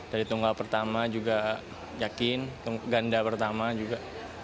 dari tunggal pertama juga yakin ganda pertama juga